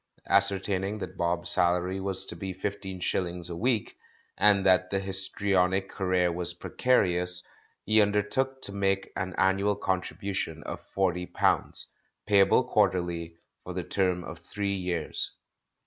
Ascertaining that Bob's salary was to be fifteen shillings a week, and that the histrionic career was precarious, he undertook to make an annual contribution of forty pounds, payable quarterly, for the term of three years.